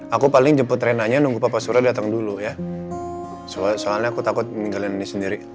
aku paling jemput renanya nunggu papa surya datang dulu ya soalnya aku takut meninggalin ini sendiri